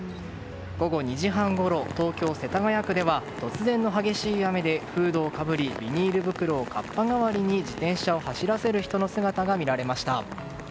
午後２時半ごろ東京・世田谷区では突然の激しい雨でフードをかぶりビニール袋をカッパ代わりに自転車を走らせる人の姿が見られました。